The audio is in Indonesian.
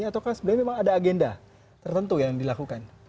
atau sebenarnya memang ada agenda tertentu yang dilakukan